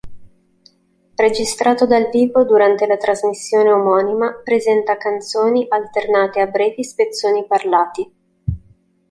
Registrato dal vivo durante la trasmissione omonima, presenta canzoni alternate a brevi spezzoni parlati.